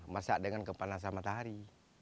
masak dengan kepanasan matahari